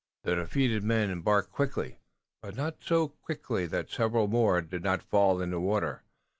The defeated men embarked quickly, but not so quickly that several more did not fall in the water.